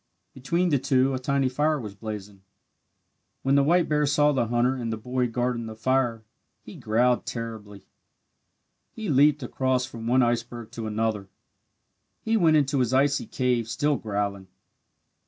Between the two a tiny fire was blazing. When the white bear saw the hunter and the boy guarding the fire he growled terribly. He leaped across from one iceberg to another. He went into his icy cave still growling.